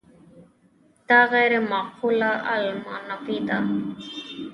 دا غیر معقولة المعنی ده.